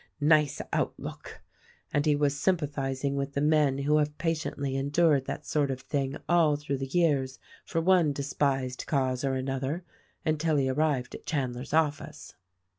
Nice out look !" And he was sympathizing with the men who have patiently endured that sort of thing all through the years for one despised cause or another, until he arrived at Chandler's office.